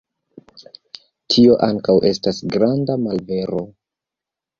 Tio ankaŭ estas granda malvero.